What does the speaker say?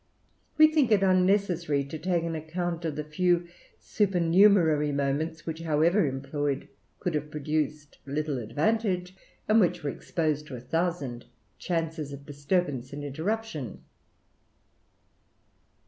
We think it unnecessary to take an account of a few supernumerary moments, which, however employed, could have produced little advantage, and which were exposed to a thousand chances of disturbance and interruption.